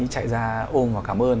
chạy ra ôm và cảm ơn